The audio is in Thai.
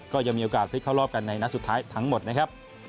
ก็ยังมีโอกาสพลิกเข้ารอบกันในนัดสุดท้ายทั้งหมดนะครับ